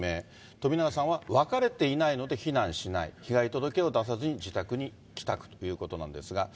冨永さんは、別れていないので避難しない、被害届を出さずに自宅に帰宅ということなんですが。